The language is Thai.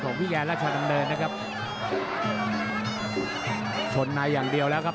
ของพี่แกร่รัชน์ทั้งเดินนะครับ